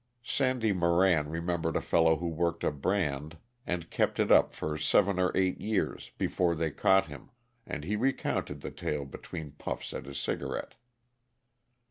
Sandy Moran remembered a fellow who worked a brand and kept it up for seven or eight years before they caught him, and he recounted the tale between puffs at his cigarette.